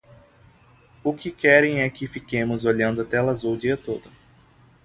O que querem é que fiquemos olhando a tela azul o dia todo